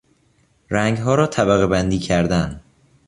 رنگها را طبقهبندی کردن